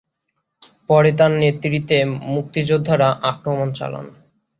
পরে তার নেতৃত্বে মুক্তিযোদ্ধারা আক্রমণ চালান।